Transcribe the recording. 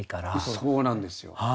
そうなんですよ。